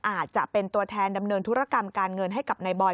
อาจจะเป็นตัวแทนดำเนินธุรกรรมการเงินให้กับนายบอย